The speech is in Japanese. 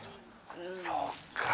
そっかぁ。